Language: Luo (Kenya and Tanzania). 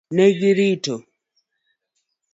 Ne girito.